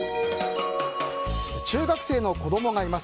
中学生の子供がいます。